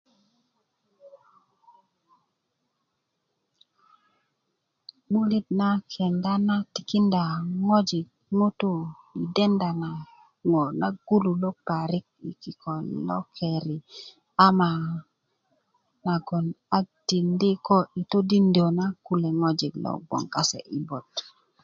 'bulit na kenda na tikinda ŋojik ŋutuu yi denda na ŋo' na gululök parik yi kiko lo keri ama nagon a tindi ko yi todindö na kule' ŋojik logoŋ lo gboŋ kase bot